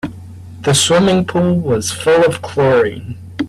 The swimming pool was full of chlorine.